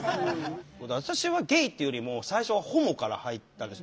私はゲイっていうよりも最初はホモから入ったんです。